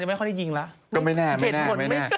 ๑แสนแบบต้องร้อยรางวัลเราก็ไม่มีหวังเนอะ